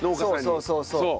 そうそうそうそう。